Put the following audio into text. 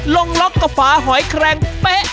ลงล็อกกับฝาหอยแครงเป๊ะ